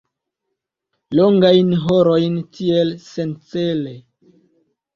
Longajn horojn tiel, sencele.